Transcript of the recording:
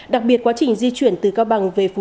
đặc biệt quá trình di chuyển từ cao bằng về phòng